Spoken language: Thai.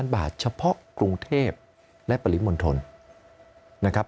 บาทเฉพาะกรุงเทพและปริมณฑลนะครับ